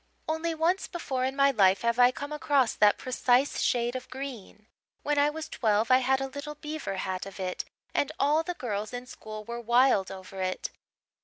Only once before in my life have I come across that precise shade of green. When I was twelve I had a little beaver hat of it, and all the girls in school were wild over it.